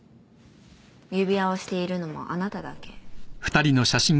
指輪をしているのもあなただけ。